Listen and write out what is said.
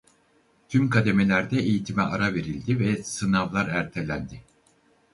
Tüm kademelerde eğitime ara verildi ve sınavlar ertelendi.